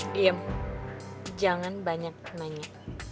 diam jangan banyak nanya